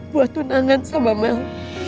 buat tunangan sama mel